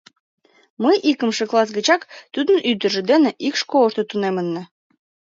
Мый икымше класс гычак тудын ӱдыржӧ дене ик школышто тунемынна.